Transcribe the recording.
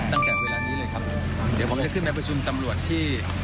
ตั้งแต่เวลานี้เลยครับเดี๋ยวผมจะขึ้นไปประชุมตำรวจที่